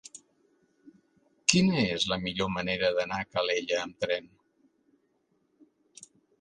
Quina és la millor manera d'anar a Calella amb tren?